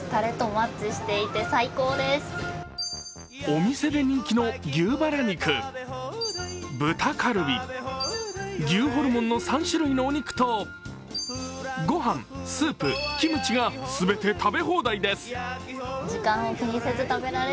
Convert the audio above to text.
お店で人気の牛ばら肉、豚カルビ牛ホルモンの３種類のお肉と御飯、スープ、キムチが全て食べ放題です。